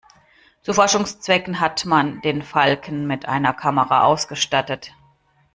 Zu Forschungszwecken hat man den Falken mit einer Kamera ausgestattet.